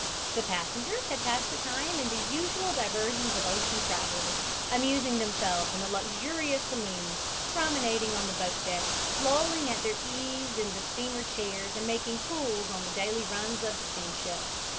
The passengers had passed the time in the usual diversions of ocean travelers, amusing themselves in the luxurious saloons, promenading on the boat deck, lolling at their ease in steamer chairs and making pools on the daily runs of the steamship.